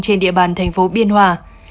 trên địa bàn tp biên hòa